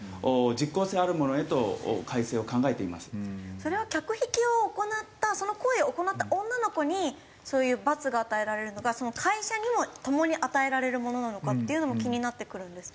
それは客引きを行ったその行為を行った女の子にそういう罰が与えられるのかその会社にもともに与えられるものなのかっていうのも気になってくるんですけど。